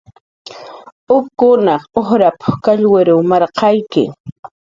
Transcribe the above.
"upkunaq ujrap"" kallwir marqayki"